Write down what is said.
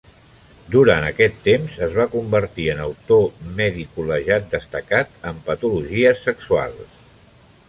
Durant aquest temps, es va convertir en l'autor medicolegal destacat en patologies sexuals.